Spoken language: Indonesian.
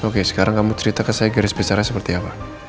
oke sekarang kamu cerita ke saya garis besarnya seperti apa